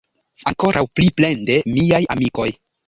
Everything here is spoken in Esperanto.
Ankoraŭ pli plende, miaj amikoj!